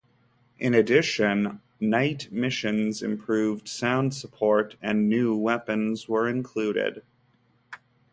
In addition night missions, improved sound support and new weapons were included.